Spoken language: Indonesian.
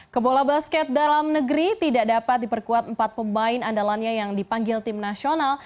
kebola basket dalam negeri tidak dapat diperkuat empat pemain andalannya yang dipanggil tim nasional